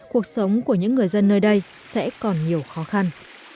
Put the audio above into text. cuộc sống của những người dân nơi đây sẽ còn nhiều khó khăn